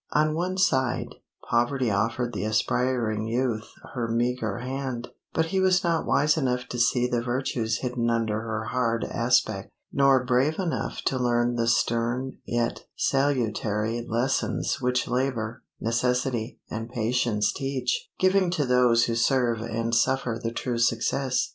On one side, Poverty offered the aspiring youth her meagre hand; but he was not wise enough to see the virtues hidden under her hard aspect, nor brave enough to learn the stern yet salutary lessons which labor, necessity, and patience teach, giving to those who serve and suffer the true success.